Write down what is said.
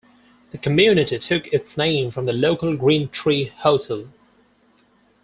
The community took its name from the local Green Tree Hotel.